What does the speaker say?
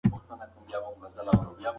که مطالعه وي نو فکر نه تنګیږي.